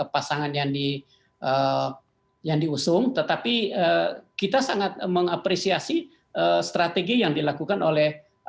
pasangan yang diusung tetapi kita sangat mengapresiasi strategi yang dilakukan oleh